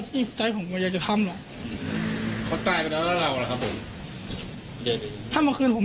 พี่แจมถ้าผมไม่ได้คนอื่นก็ไม่ได้อย่างไรเสร็จ